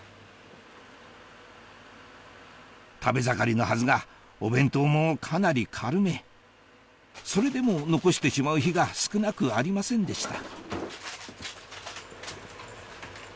食べ盛りのはずがお弁当もかなり軽めそれでも残してしまう日が少なくありませんでした